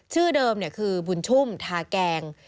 ชื่อเดิมคือบุญชุ่มทาแกง